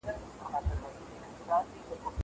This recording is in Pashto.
زه به اوږده موده درسونه ولولم!